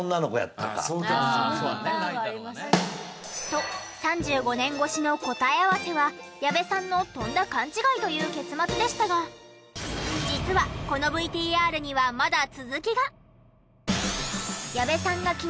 と３５年越しの答え合わせは矢部さんのとんだ勘違いという結末でしたが実はこのＶＴＲにはまだ続きが！